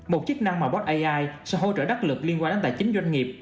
một chức năng mà bot ai sẽ hỗ trợ đắc lực liên quan đến tài chính doanh nghiệp